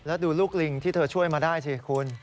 แล้วดูลูกลิงที่เธอช่วยมาได้สิคุณ